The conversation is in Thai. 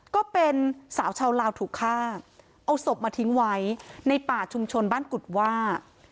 ก็เป็นสาวชาวลาวถูกฆ่าเอาศพมาทิ้งไว้ในป่าชุมชนบ้านกุฎว่า